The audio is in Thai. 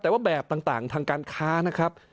แต่ว่าแบบต่างทางการค้านะครับ